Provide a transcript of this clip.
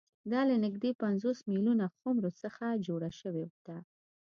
دا له نږدې پنځوس میلیونه خُمرو څخه جوړه شوې ده